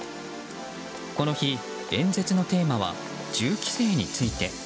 この日、演説のテーマは銃規制について。